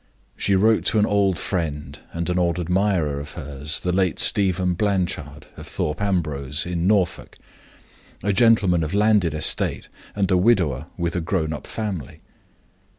She wrote to an old friend and an old admirer of hers, the late Stephen Blanchard, of Thorpe Ambrose, in Norfolk a gentleman of landed estate, and a widower with a grown up family.